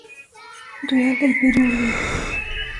Real del Perú", lib.